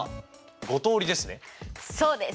そうです！